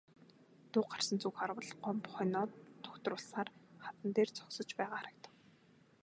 Дуу гарсан зүг харвал Гомбо хонио дугтруулсаар хадан дээр зогсож байгаа харагдав.